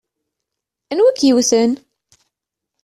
Anwa i k-yewwten?